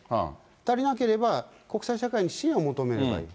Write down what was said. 足りなければ、国際社会に支援を求めればいい。